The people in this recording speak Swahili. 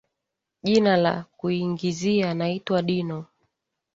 jina laa kuingizia naitwa dino